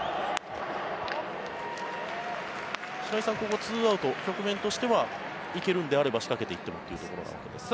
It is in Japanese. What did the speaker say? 白井さん、２アウト局面としては行けるのであれば仕掛けていってもというところのわけですか？